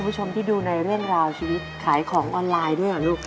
คุณผู้ชมที่ดูในเรื่องราวชีวิตขายของออนไลน์ด้วยเหรอลูก